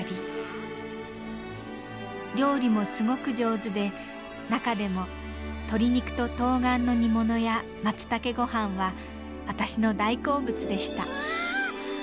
料理もすごく上手で中でも鶏肉とトウガンの煮物や松茸ごはんは私の大好物でした。